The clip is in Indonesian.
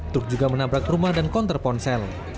truk juga menabrak rumah dan konter ponsel